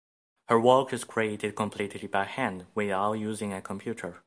Her work is created completely by hand, without using a computer.